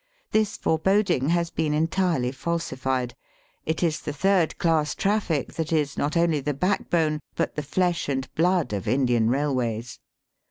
This foreboding has been entirely falsified. It is the third class trafl&o that is not only the backbone, but the flesh and blood of Indian railways.